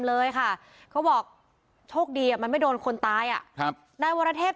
เลยค่ะเขาบอกโชคดีอ่ะมันไม่โดนคนตายอ่ะครับนายวรเทพ